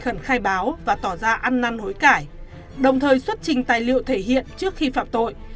khẩn khai báo và tỏ ra ăn năn hối cải đồng thời xuất trình tài liệu thể hiện trước khi phạm tội